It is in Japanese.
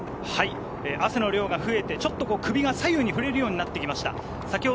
汗の量が増えて、ちょっと首が左右に振れるようになってきました。